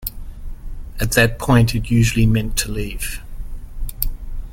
At that point, it usually meant to leave.